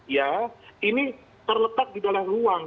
ya ini terletak di dalam ruang